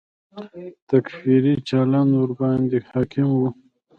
تکفیري چلند ورباندې حاکم و.